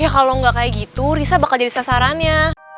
ya kalau nggak kayak gitu risa bakal jadi sasarannya